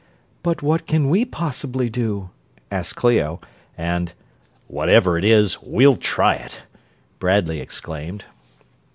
"But what can we possibly do?" asked Clio, and "Whatever it is, we'll try it!" Bradley exclaimed.